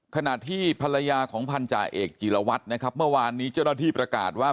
ขณะที่ภรรยาของพันธาเอกจิลวัตรนะครับเมื่อวานนี้เจ้าหน้าที่ประกาศว่า